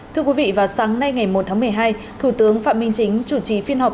thưa quý vị vào sáng nay ngày một tháng một mươi hai thủ tướng phạm minh chính chủ trì phiên họp